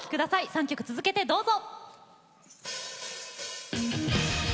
３曲続けてどうぞ！